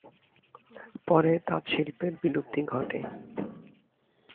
পরে তাঁত শিল্পের বিলুপ্তি ঘটে।